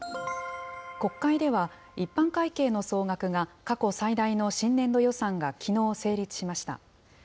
国会では、一般会計の総額が過去最大の新年度予算がきのう成立しました。